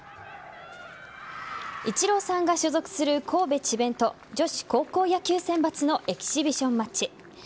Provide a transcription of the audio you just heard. イチローさんが所属するＫＯＢＥＣＨＩＢＥＮと女子高校野球選抜のエキシビジョンマッチ。